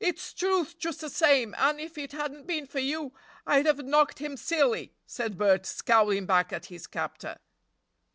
"It's truth just the same, and if it hadn't been for you I'd have knocked him silly," said Bert, scowling back at his captor.